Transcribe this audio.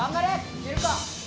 いけるか？